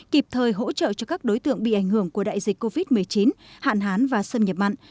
kịp thời hỗ trợ cho các đối tượng bị ảnh hưởng của đại dịch covid một mươi chín hạn hán và xâm nhập mặn